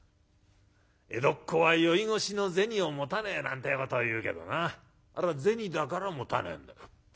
江戸っ子は宵越しの銭を持たねえなんてえことをいうけどなあれは銭だから持たねえんだよ。